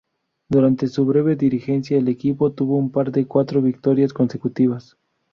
Durante su breve dirigencia, el equipo tuvo un par de cuatro victorias consecutivas.